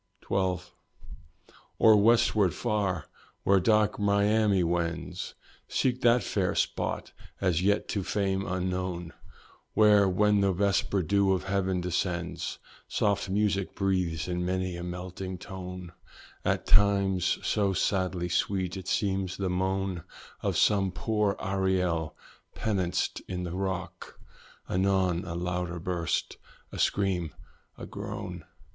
XII. Or westward far, where dark Miami wends, Seek that fair spot as yet to fame unknown; Where, when the vesper dew of heaven descends, Soft music breathes in many a melting tone, At times so sadly sweet it seems the moan Of some poor Ariel penanced in the rock; Anon a louder burst a scream! a groan!